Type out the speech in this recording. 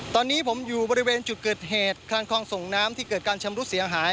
ตอนนี้ผมอยู่บริเวณจุดเกิดเหตุคลานคลองส่งน้ำที่เกิดการชำรุดเสียหาย